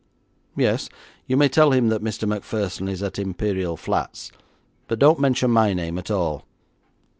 Yes, you may tell him that Mr. Macpherson is at Imperial Flats, but don't mention my name at all.